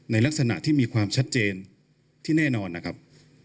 ในลักษณะที่มีความชัดเจนที่แน่นอนนะครับ